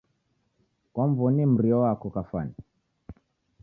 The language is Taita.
Kwamw'onie mrio wako kafwani?